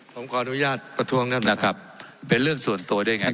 ผมขออนุญาตประท้วงนะครับนะครับเป็นเรื่องส่วนตัวได้ไงครับ